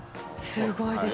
すごいですね。